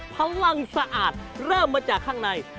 พลังสะอาดเริ่มมาจากข้างใน